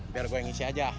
biar gue ngisi aja